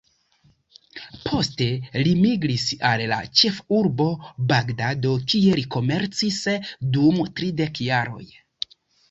Poste li migris al la ĉefurbo Bagdado, kie li komercis dum tridek jaroj.